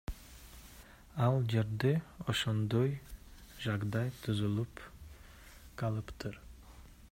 Ал жерде ошондой жагдай түзүлүп калыптыр.